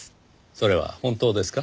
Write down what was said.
それは本当ですか？